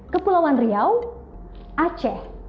kepulauan riau aceh